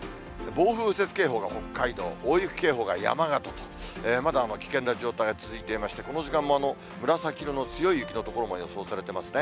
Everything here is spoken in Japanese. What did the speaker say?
暴風雪警報が北海道、大雪警報が山形と、まだ危険な状態が続いていまして、この時間も紫色の強い雪の所も予想されていますね。